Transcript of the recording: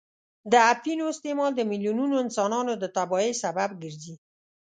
د اپینو استعمال د میلیونونو انسانان د تباهۍ سبب ګرځي.